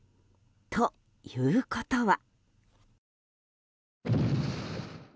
ということは。